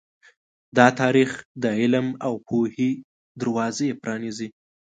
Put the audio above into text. دا تاریخ د علم او پوهې دروازې پرانیزي.